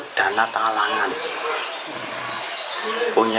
nanti rencananya berangkat sama istrinya